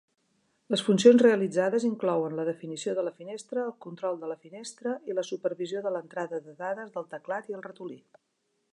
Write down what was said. Les funcions realitzades inclouen la definició de la finestra, el control de la finestra i la supervisió de l'entrada de dades del teclat i el ratolí.